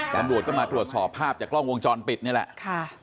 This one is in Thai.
ตำรวจก็มาตรวจสอบภาพจากกล้องวงจรปิดนี่แหละค่ะ